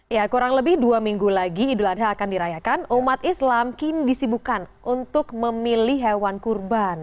ya kurang lebih dua minggu lagi idul adha akan dirayakan umat islam kini disibukan untuk memilih hewan kurban